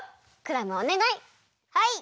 クラムおねがい！